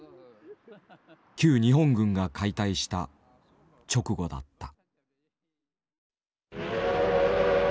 旧日本軍が解体した直後だった。